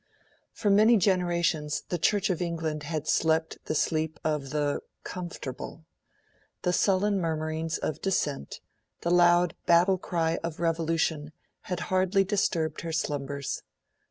For many generations the Church of England had slept the sleep of the ...comfortable. The sullen murmurings of dissent, the loud battle cry of Revolution, had hardly disturbed her slumbers.